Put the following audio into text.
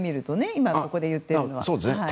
今、ここで言っているのは。